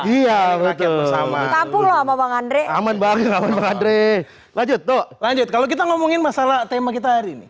iya betul sama sama banget andre lanjut lanjut kalau kita ngomongin masalah tema kita hari ini